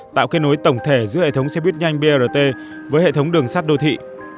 tạo kết nối tổng thể giữa hệ thống xe buýt nhanh brt với hệ thống đường sắt đô thị